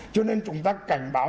cho nên chúng ta cảnh báo